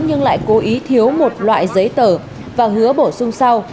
nhưng lại cố ý thiếu một loại giấy tờ và hứa bổ sung sau